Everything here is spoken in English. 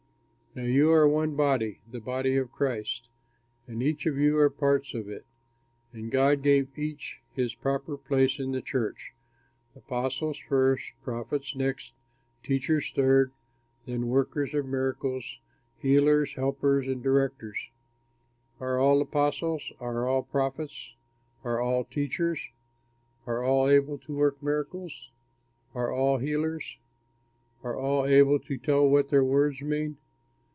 Now you are one body the body of Christ, and each of you are parts of it. And God gave each his proper place in the church: apostles first, prophets next, teachers third, then workers of miracles, healers, helpers, and directors. Are all apostles? Are all prophets? Are all teachers? Are all able to work miracles? Are all healers? Are all able to tell what their words mean?